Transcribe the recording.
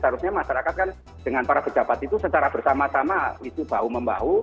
harusnya masyarakat kan dengan para pejabat itu secara bersama sama itu bahu membahu